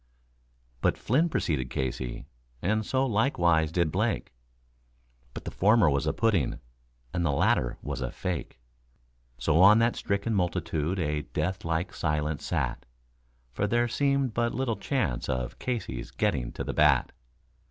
But Flynn preceded Casey, and so likewise did Blake, But the former was a pudding, and the latter was a fake; So on that stricken multitude a death like silence sat, For there seemed but little chance of Casey's getting to the bat.